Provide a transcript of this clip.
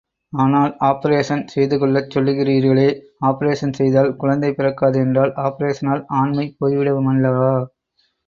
ஆனால் ஆப்பரேஷன் செய்துகொள்ளச் சொல்லுகிறீர்களே, ஆப்பரேஷன் செய்தால் குழந்தை பிறக்காது என்றால் ஆப்பரேஷனால் ஆண்மை போய் விடுமல்லவா?